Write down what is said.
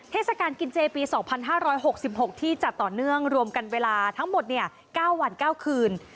เทศกาลกินเจปี๒๕๖๖ที่จัดต่อเนื่องรวมกันเวลาทั้งหมด๙วัน๙คืน